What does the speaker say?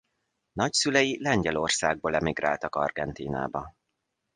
Nagyszülei Lengyelországból emigráltak Argentínába.